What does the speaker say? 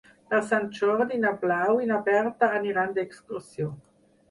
Per Sant Jordi na Blau i na Berta aniran d'excursió.